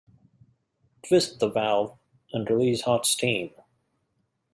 Twist the valve and release hot steam.